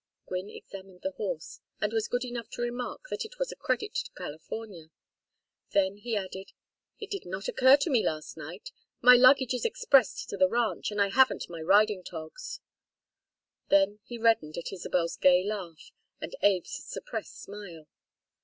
Gwynne examined the horse, and was good enough to remark that it was a credit to California. Then he added: "It did not occur to me last night my luggage is expressed to the ranch and I haven't my riding togs " Then he reddened at Isabel's gay laugh and Abe's suppressed smile.